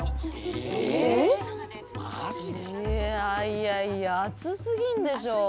いやいやいや暑すぎんでしょ。